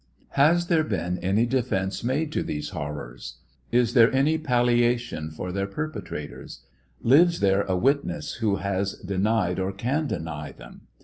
. Has there been any defence made to these horrors ? Is there any palliation for their perpetrators ? Lives there a witness who has denied or can deny them